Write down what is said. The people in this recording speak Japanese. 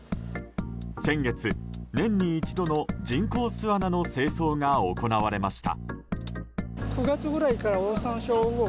先月、年に一度の人口巣穴の清掃が行われました。